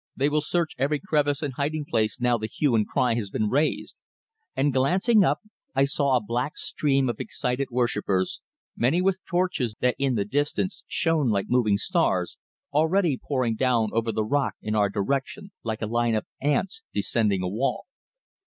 "They will search every crevice and hiding place now the hue and cry has been raised," and glancing up I saw a black stream of excited worshippers, many with torches that in the distance shone like moving stars, already pouring down over the rock in our direction like a line of ants descending a wall.